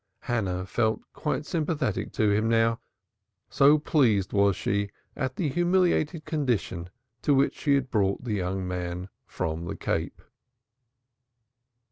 Hannah felt quite sympathetic with him now, so pleased was she at the humiliated condition to which she had brought the young man from the Cape.